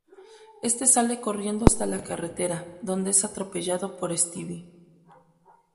Éste sale corriendo hasta la carretera, donde es atropellado por Steve.